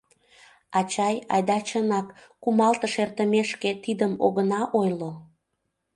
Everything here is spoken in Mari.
Ачай, айда, чынак, кумалтыш эртымешке, тидым огына ойло?